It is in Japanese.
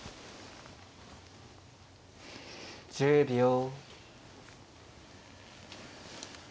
１０秒。